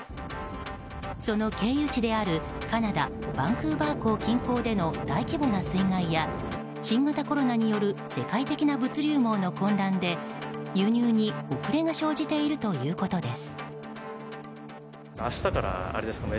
その経由地であるカナダ・バンクーバー港近郊での大規模な水害や新型コロナによる世界的な物流網の混乱で輸入に遅れが生じているということです。